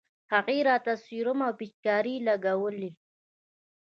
هغې راته سيروم او پيچکارۍ لګولې.